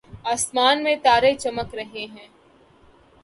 آسمان میں تارے چمک رہے ہیں